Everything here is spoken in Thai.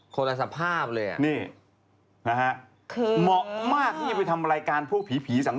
คนละสภาพเลยอะคือเหมาะมากที่จะไปทำรายการพวกผีสาง